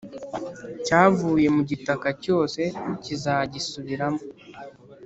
Icyavuye mu gitaka cyose, kizagisubiramo,